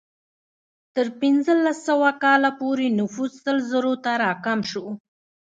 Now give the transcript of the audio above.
تر پنځلس سوه کال پورې نفوس سل زرو ته راکم شو.